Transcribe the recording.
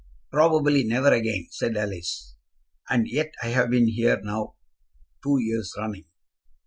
"Probably never again," said Alice. "And yet I have been here now two years running."